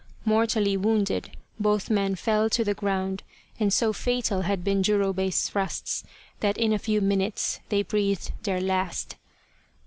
Mortally wounded, both men fell to the ground, and so fatal had been Jurobei's thrusts that in a few minutes they breathed their last.